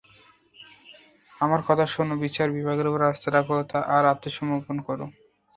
আমার কথা শোনো, বিচার বিভাগের উপর আস্থা রাখো আর আত্মসমর্পণ করো।